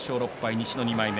西の２枚目。